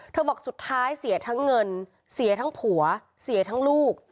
บอกสุดท้ายเสียทั้งเงินเสียทั้งผัวเสียทั้งลูก